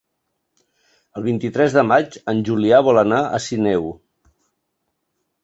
El vint-i-tres de maig en Julià vol anar a Sineu.